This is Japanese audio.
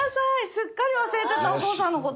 すっかり忘れてたお父さんのこと。